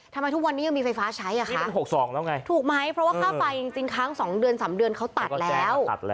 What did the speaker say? ทำไมทุกวันนี้ยังมีไฟฟ้าใช้อ่ะคะนี่มัน๖๒แล้วไงถูกไหมเพราะว่าค่าไฟจริงค้าง๒เดือน๓เดือนเขาตัดแล้ว